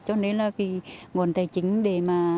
cho nên là nguồn tài chính để mà